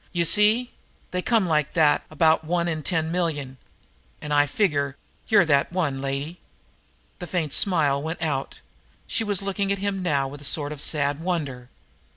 You see? They come like that about one in ten million, and I figure you're that one, lady." The far away smile went out. She was looking at him now with a sort of sad wonder.